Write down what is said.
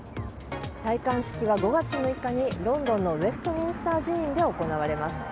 戴冠式は５月６日にロンドンのウェストミンスター寺院で行われます。